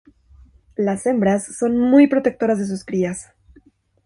Las hembras son muy protectoras de sus crías.